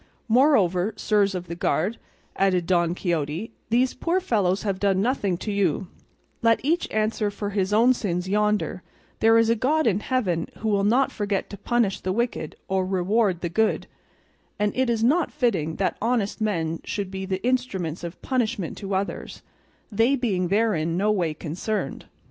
Moreover, sirs of the guard," added Don Quixote, "these poor fellows have done nothing to you; let each answer for his own sins yonder; there is a God in Heaven who will not forget to punish the wicked or reward the good; and it is not fitting that honest men should be the instruments of punishment to others, they being therein no way concerned.